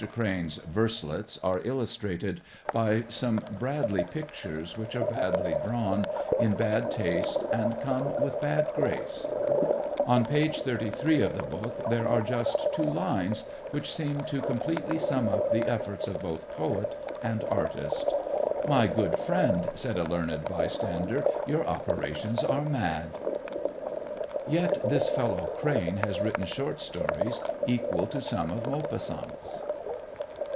Crane's verselets are illustrated by some Bradley pictures, which are badly drawn, in bad taste, and come with bad grace. On page 33 of the book there are just two lines which seem to completely sum up the efforts of both poet and artist: "My good friend," said a learned bystander, "Your operations are mad." Yet this fellow Crane has written short stories equal to some of Maupassant's.